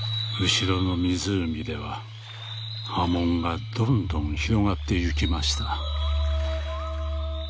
「後ろの湖では波紋がどんどん広がってゆきました」。